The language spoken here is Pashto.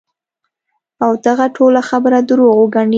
او دغه ټوله خبره دروغ وګڼی -